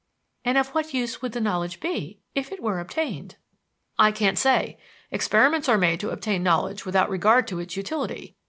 "And of what use would the knowledge be, if it were obtained?" "I can't say. Experiments are made to obtain knowledge without regard to its utility.